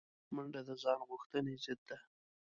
منډه د ځان غوښتنې ضد ده